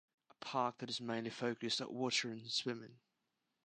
A park that is mainly focused at water and swimming.